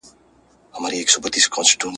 د دښمن کره ځم دوست مي ګرو دی !.